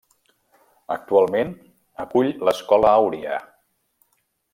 Actualment acull l'Escola Àuria.